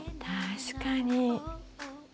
確かに。